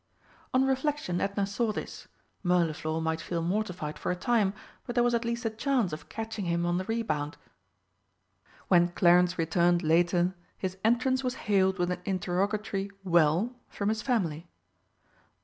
On reflection Edna saw this. Mirliflor might feel mortified for a time, but there was at least a chance of catching him on the rebound. When Clarence returned later his entrance was hailed with an interrogatory "Well?" from his family.